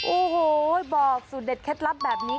โอ้โหบอกสูตรเด็ดเคล็ดลับแบบนี้